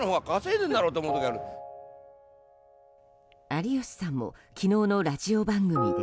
有吉さんも昨日のラジオ番組で。